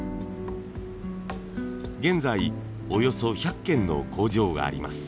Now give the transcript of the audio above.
現在およそ１００軒の工場があります。